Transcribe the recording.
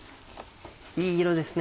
いい色ですね。